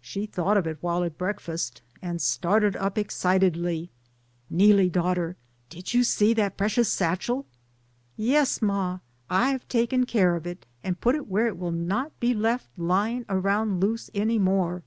She thought of it while at breakfast, and started up excitedly, "Neelie daughter, did you see that precious satchel ?" "Yes, ma, I have taken care of it, and put it where it will not be left lying around loose any. more."